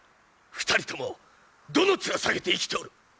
２人ともどの面さげて生きておる。